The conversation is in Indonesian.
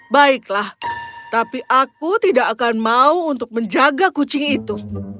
baiklah tapi aku tidak akan mau untuk menjaga kucing itu